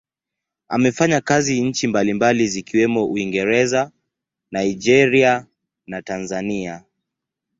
Amefanya kazi nchi mbalimbali zikiwemo Uingereza, Nigeria na Tanzania.